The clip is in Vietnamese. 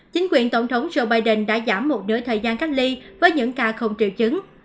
chính quyền tổng thống joe biden đã giảm một nửa thời gian cách ly với những ca không triệu chứng